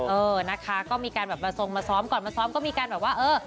เออนะคะก็มีการแบบมาทรงมาซ้อมก่อนมาซ้อมก็มีการแบบว่าเออ